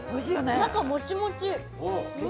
中もちもち。